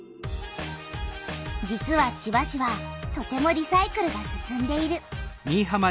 実は千葉市はとてもリサイクルが進んでいる。